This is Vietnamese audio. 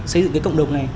xây dựng cái cộng đồng này